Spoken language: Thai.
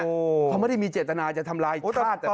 เขาไม่ได้มีเจตนาจะทำลายชาติ